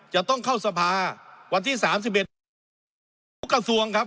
จะต้องเข้าสภาวันที่สามสิบเอ็ดทุกกระทรวงครับ